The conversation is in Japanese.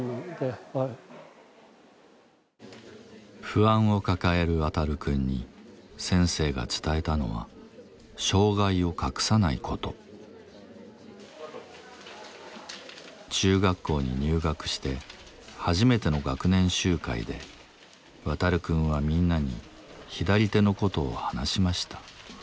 不安を抱えるワタル君に先生が伝えたのは中学校に入学して初めての学年集会でワタル君はみんなに左手のことを話しました。